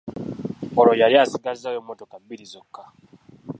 Olwo yali asigazaawo emmotoka bbiri zokka.